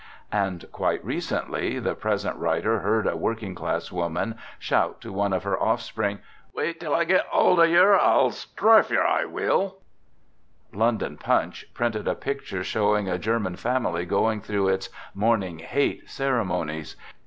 And quite recently the present writer heard a working class woman shout to one of her offspring, * Wait till I git 'old of yer, I'll strarfe London Punch printed a picture showing a Ger man family going through its " morning hate " cere monies.